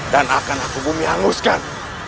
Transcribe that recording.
dan akan aku bumi hanguskan